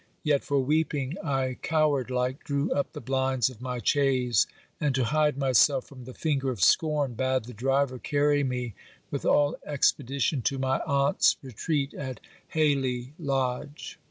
Yet, for weeping, I coward like drew up the blinds of my chaise, and, to hide myself from the finger of scorn, bade the driver carry me with all expedition to my aunt's retreat at Hayley lodge.